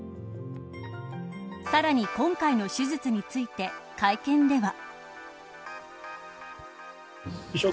さらに今回の手術について会見では。